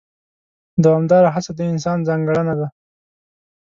دوامداره هڅه د انسان ځانګړنه ده.